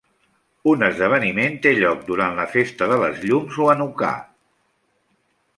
Un esdeveniment té lloc durant la festa de les llums o Hanukkà.